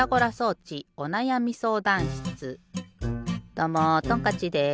どうもトンカッチです。